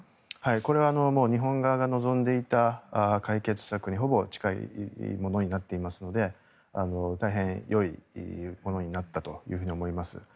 これは日本側が望んでいた解決策にほぼ近いものになっていますので大変よいものになったと思います。